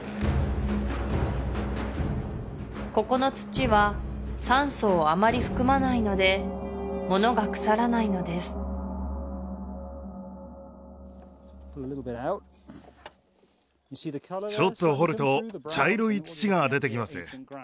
ここの土は酸素をあまり含まないのでものが腐らないのですちょっと掘ると茶色い土が出てきます